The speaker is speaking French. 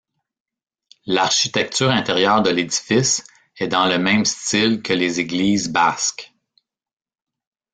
L'architecture intérieure de l'édifice est dans le même style que les églises basques.